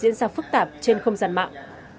diễn ra phức tạp trên không gian mạng